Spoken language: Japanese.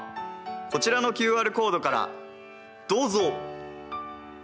こちらのＱＲコードからどうぞ。